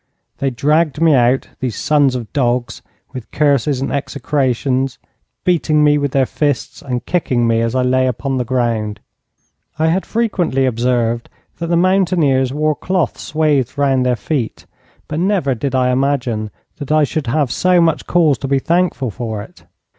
They dragged me out, these sons of dogs, with curses and execrations, beating me with their fists and kicking me as I lay upon the ground. I had frequently observed that the mountaineers wore cloth swathed round their feet, but never did I imagine that I should have so much cause to be thankful for it.